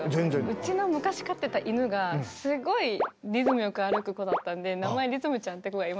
うちの昔飼ってた犬がすごいリズムよく歩く子だったんで名前リズムちゃんって子がいました。